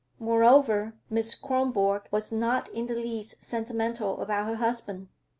Moreover, Miss Kronborg was not in the least sentimental about her husband.